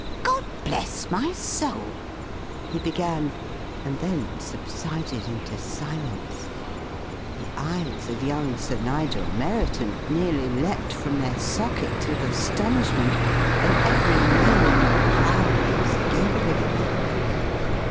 "God bless my soul!" he began, and then subsided into silence. The eyes of young Sir Nigel Merriton nearly leapt from their sockets with astonishment; and every man in the crowd was gaping.